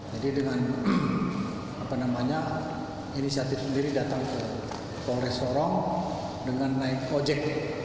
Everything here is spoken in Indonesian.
jadi dengan apa namanya inisiatif sendiri datang ke polres sorong dengan naik ojek